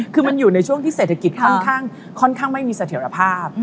คือมันอยู่ในช่วงที่เศรษฐกิจค่อนข้างไม่มีเสถียรภาพ